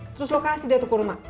terus lo kasih dia ke kurma